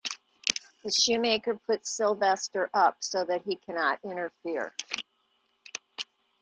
The shoemaker puts Sylvester up so that he cannot interfere.